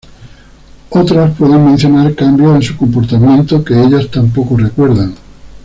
Otras pueden mencionar cambios en su comportamiento que ellas tampoco recuerdan.